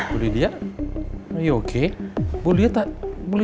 siap pak bos